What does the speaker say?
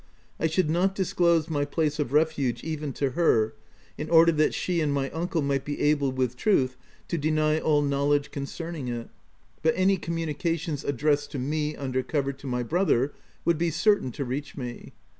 I should not disclose my place of refuge even to her, in order that she and my uncle might be able, with truth, to deny all knowledge concerning it ; but any corarau OF WILDFELL HALL. 109 nications addressed to me under cover to my brother, would be certain to reach me.